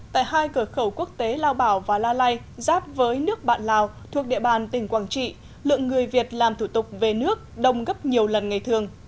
tại hai cửa khẩu quốc tế lao bảo và la lai giáp với nước bạn lào thuộc địa bàn tỉnh quảng trị lượng người việt làm thủ tục về nước đông gấp nhiều lần ngày thường